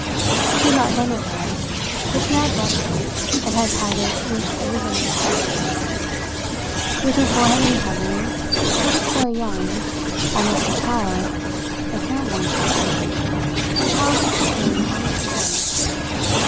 She had not done her hair, but she had brushed it, and had tied it with a ribbon behind. With her forehead uncovered, she looked very young, almost a child, a careworn child; a child with something on its mind.